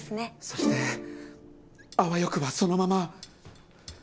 そしてあわよくばそのまま。